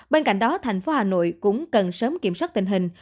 bên cạnh đó thành phố hà nội cũng cần sớm kiểm soát tình hình